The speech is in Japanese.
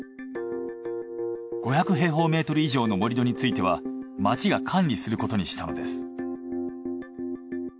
５００平方メートル以上の盛り土については町が管理することにしたのです。